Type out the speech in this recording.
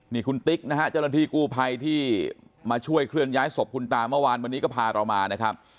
นี่คุณติ๊กนะฮะเจ้าหน้าที่กู้ภัยที่มาช่วยเคลื่อนย้ายศพคุณตาเมื่อวานวันนี้ก็พาเรามานะครับ